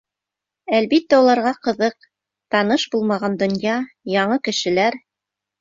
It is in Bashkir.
Әлбиттә, уларға ҡыҙыҡ: таныш булмаған донъя, яңы кешеләр...